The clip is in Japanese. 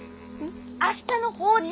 明日の法事！